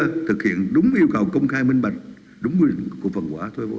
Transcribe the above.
chưa thực hiện đúng yêu cầu công khai minh bạch đúng quy định của phần hóa thuê vốn